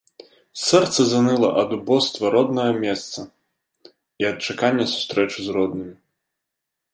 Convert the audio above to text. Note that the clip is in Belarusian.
Сэрца заныла ад убоства роднага месца і ад чакання сустрэчы з роднымі.